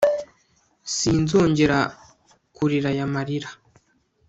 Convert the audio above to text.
sinzongera kurira aya marira